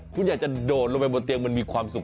คุณอยากจะโดดลงไปบนเตียงมันมีความสุข